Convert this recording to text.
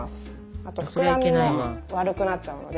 あとふくらみも悪くなっちゃうので。